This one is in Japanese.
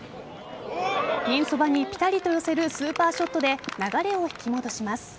ピンそばにぴたりと寄せるスーパーショットで流れを引き戻します。